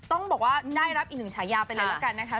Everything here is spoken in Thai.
ต้องบอกว่าได้รับอีกหนึ่งฉายาไปเลยละกันนะคะ